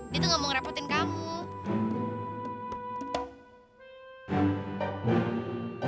dia tuh gak mau ngerepotin kamu